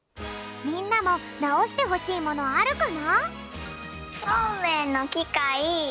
みんなもなおしてほしいものあるかな？